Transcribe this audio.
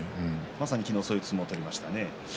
まさに昨日、そういう相撲を取りましたね。